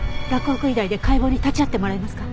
洛北医大で解剖に立ち会ってもらえますか？